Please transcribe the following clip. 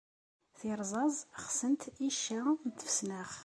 Tirẓaẓ xsent icca n tfesnax.